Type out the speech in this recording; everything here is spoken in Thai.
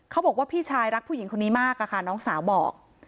เขาบอกว่าพี่ชายรักผู้หญิงคนนี้มากค่ะน้องสาวบอก